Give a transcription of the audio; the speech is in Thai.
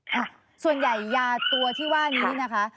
ค่ะส่วนใหญ่ยาตัวที่ว่านี้นะคะ